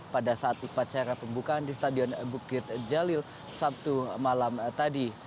pada saat upacara pembukaan di stadion bukit jalil sabtu malam tadi